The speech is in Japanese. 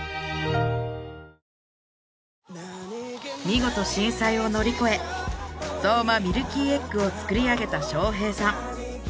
見事震災を乗り越え相馬ミルキーエッグを作り上げた将兵さん